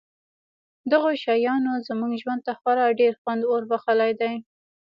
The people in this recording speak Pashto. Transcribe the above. دغو شیانو زموږ ژوند ته خورا ډېر خوند وربښلی دی